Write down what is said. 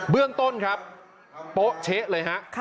เรื่องต้นครับโป๊ะเช๊ะเลยฮะ